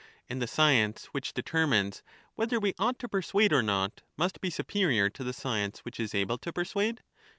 And the science which determines whether we ought to persuade or not, must be superior to the science which is able to persuade